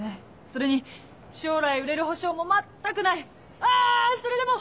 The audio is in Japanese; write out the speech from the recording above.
それに将来売れる保証も全くない。